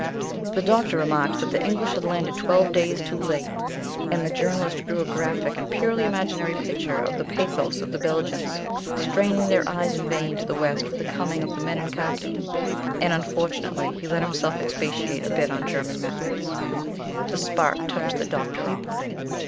The Doctor remarked that "the English had landed twelve days too late," and the Journalist drew a graphic, and purely imaginary, picture of the pathos of the Belgians straining their eyes in vain to the West for the coming of the men in khaki, and unfortunately he let himself expatiate a bit on German methods. The spark touched the Doctor off.